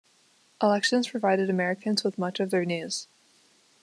Elections provided Americans with much of their news.